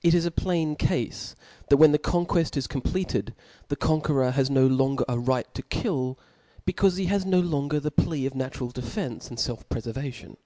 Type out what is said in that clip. It is a plain cafe that when the conqueft is completed, the conqueror has no longer a right to kill, be caule he has no longer the plea of natural defence and felf prefervation.